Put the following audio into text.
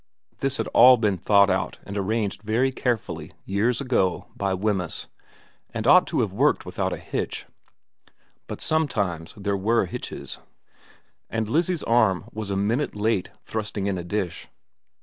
This had all been thought out and arranged very carefully years ago by Wemyss, and ought to have worked without a hitch ; but sometimes there were hitches, and Lizzie's arm was a minutt late thrusting in a dish.